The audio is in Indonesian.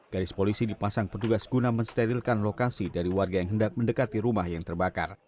garis polisi dipasang petugas guna mensterilkan lokasi dari warga yang hendak mendekati rumah yang terbakar